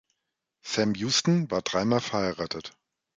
Sam Houston war dreimal verheiratet.